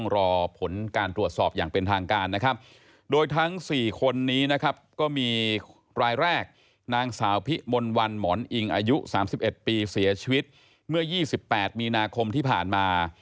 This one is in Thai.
รายแรกนางสาวพิมนต์วันหมอนอิงอายุ๓๑ปีเสียชีวิตเมื่อ๒๘มีนาคมที่ผ่านมา